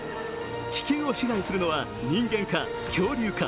地球を支配するのは人間か恐竜か